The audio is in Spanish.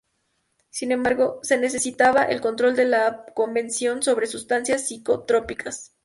Sin embargo, se necesitaba el control por la Convención sobre Substancias Psicotrópicas.